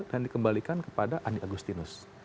dan dikembalikan kepada andi agustinus